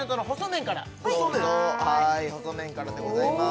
麺はい細麺からでございます